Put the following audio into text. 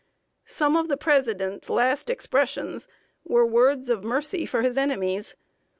Some of the President's last expressions were words of mercy for his enemies.